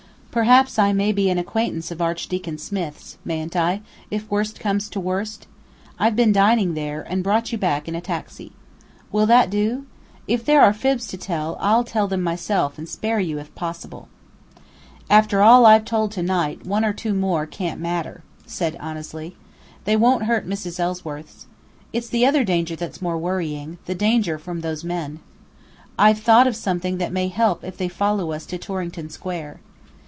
Perhaps I may be an acquaintance of Archdeacon Smith's, mayn't I, if worst comes to worst? I've been dining there, and brought you back in a taxi. Will that do? If there are fibs to tell, I'll tell them myself and spare you if possible." "After all I've told to night, one or two more can't matter," said Annesley. "They won't hurt Mrs. Ellsworth. It's the other danger that's more worrying the danger from those men. I've thought of something that may help if they follow us to Torrington Square.